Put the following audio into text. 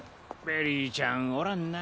ベリーちゃんおらんな。